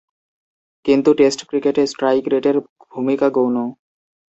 কিন্তু টেস্ট ক্রিকেটে স্ট্রাইক রেটের ভূমিকা গৌণ।